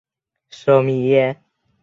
舍米耶。